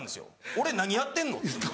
俺何やってんの？